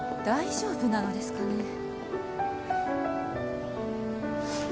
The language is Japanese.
大丈夫ですかね